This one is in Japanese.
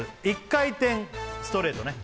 １回転ストレートね